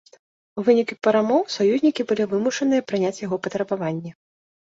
У выніку перамоў саюзнікі былі вымушаныя прыняць яго патрабаванне.